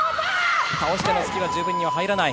倒しての突きは十分には入らない。